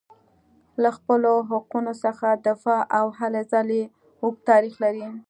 له خپلو حقونو څخه دفاع او هلې ځلې اوږد تاریخ لري.